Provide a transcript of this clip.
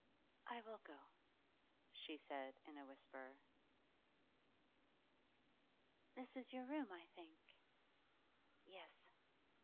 'I will go,' she said in a whisper. 'This is your room, I think?' 'Yes.